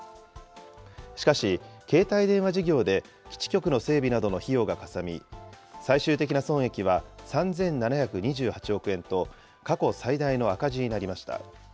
しかし、携帯電話事業で基地局の整備などの費用がかさみ、最終的な損益は３７２８億円と、過去最大の赤字になりました。